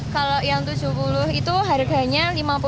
kalau yang tujuh puluh itu harganya lima puluh